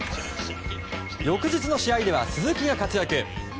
翌日の試合では鈴木が活躍。